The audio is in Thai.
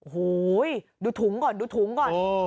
โอ้โหดูถุงก่อนดูถุงก่อน